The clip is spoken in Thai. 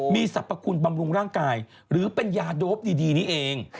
มีสรรพคุณบำรุงร่างกายหรือเป็นยาโดปดีนี้เอง